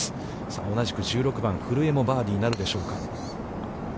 さあ同じく１６番、古江もバーディーなるでしょうか。